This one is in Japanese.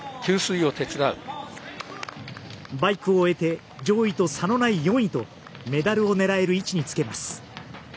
バイクを終えて上位と差のない４位とメダルをねらえる位置につけます。